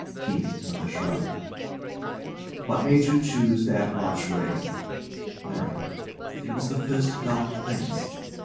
KEITH. [With a shrug] What made you choose that archway? LARRY. It was the first dark place.